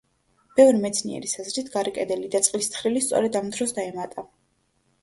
ბევრი მეცნიერის აზრით გარე კედელი და წყლის თხრილი სწორედ ამ დროს დაემატა.